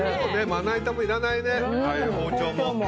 まな板もいらないね、包丁も。